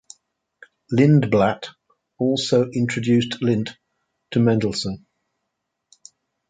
Lindblad also introduced Lind to Mendelssohn.